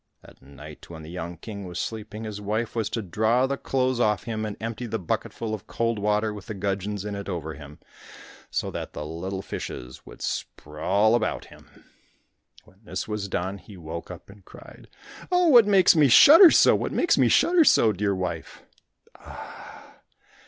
At night when the young king was sleeping, his wife was to draw the clothes off him and empty the bucketful of cold water with the gudgeons in it over him, so that the little fishes would sprawl about him. When this was done, he woke up and cried "Oh, what makes me shudder so?—what makes me shudder so, dear wife?